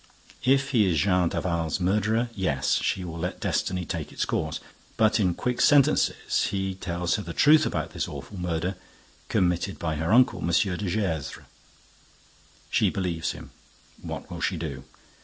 If he is Jean Daval's murderer, yes, she will let destiny take its course. But, in quick sentences, he tells her the truth about this awful murder committed by her uncle, M. de Gesvres. She believes him. What will she do?